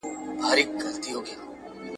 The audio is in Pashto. کله یو خوا کله بله شاته تلله !.